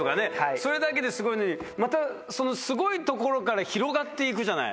それだけですごいのにまたそのすごいところから広がって行くじゃない。